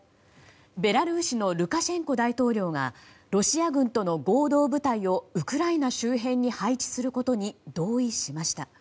ベラルーシのルカシェンコ大統領がロシア軍との合同部隊をウクライナ周辺に配置することに同意しました。